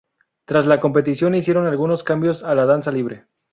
Tras la competición, hicieron algunos cambios a la danza libre.